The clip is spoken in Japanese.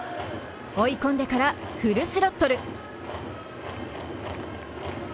追い込んでからフルスロットル。